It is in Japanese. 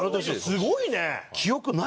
すごいね。